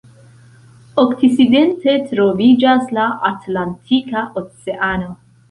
Okcidente troviĝas la Atlantika Oceano.